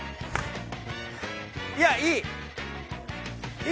いやいい！